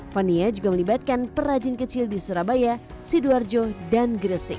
fania juga melibatkan perajin kecil di surabaya sidoarjo dan gresik